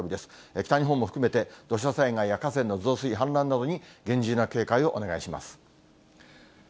北日本も含めて、土砂災害や河川の増水、氾濫などに厳重な警戒をお願いします。